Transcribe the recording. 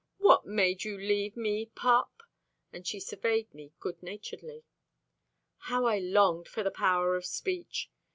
What made you leave me, pup?" and she surveyed me good naturedly. How I longed for the power of speech!